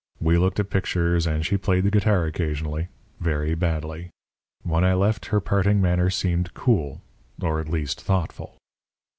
We looked at pictures and she played the guitar occasionally, very badly. When I left, her parting manner seemed cool or at least thoughtful.